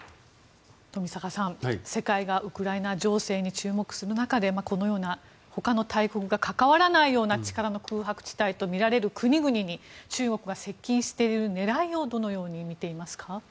富坂さん、世界がウクライナ情勢に注目する中でこのような他の大国が関わらないような力の空白地帯とみられる国々に中国が接近している狙いをどのようにみていますか？